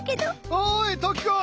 ・おいトキ子。